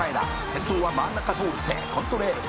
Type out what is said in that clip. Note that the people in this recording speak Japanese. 「先頭は真ん中通ってコントレイル